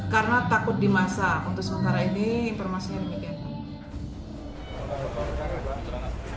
karena takut dimasak untuk sementara ini informasinya begitu